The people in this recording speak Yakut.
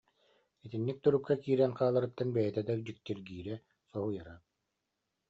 Итинник турукка киирэн хааларыттан бэйэтэ да дьиктиргиирэ, соһуйара